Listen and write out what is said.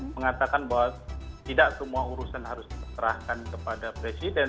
mengatakan bahwa tidak semua urusan harus diserahkan kepada presiden